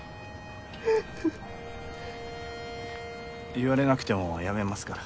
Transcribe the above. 言われなくても辞めますから。